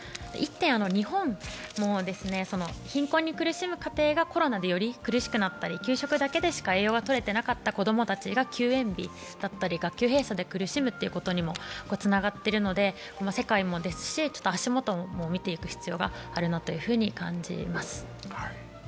１点、日本も、貧困に苦しむ家庭がコロナでより苦しくなったり、給食だけでしか栄養がとれてなかった子供たちが休園日だったり学級閉鎖で苦しむことにもつながっているので世界もですし、足元も見ていく必要があるなと感じます。